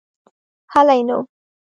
هلئ نو.